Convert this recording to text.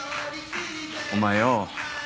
お前よぉ。